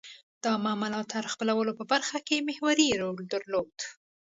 د عامه ملاتړ خپلولو په برخه کې محوري رول درلود.